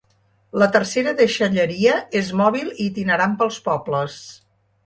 La tercera deixalleria és mòbil i itinerant pels pobles.